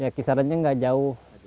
ya kisarannya nggak jauh